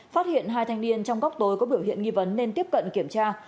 phát hiện hai thanh niên trong góc tối có biểu hiện nghi vấn nên tiếp cận kiểm tra